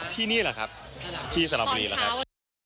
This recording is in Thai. ที่นี่หรือครับที่สระบุรีหรือครับ